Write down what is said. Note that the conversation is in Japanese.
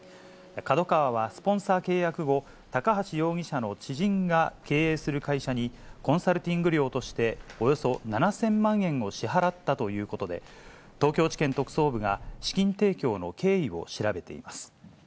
ＫＡＤＯＫＡＷＡはスポンサー契約後、高橋容疑者の知人が経営する会社に、コンサルティング料として、およそ７０００万円を支払ったということで、東京地検特捜部が資金提供の経緯を調べています。